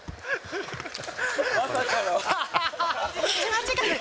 まさかの。